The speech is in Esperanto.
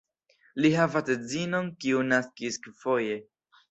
Li havas edzinon, kiu naskis kvinfoje.